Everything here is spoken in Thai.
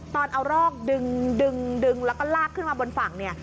ตอนเอารอกดึงแล้วก็ลากขึ้นมาบนฝั่งเนี่ย